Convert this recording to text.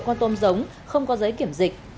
con tôm giống không có giấy kiểm dịch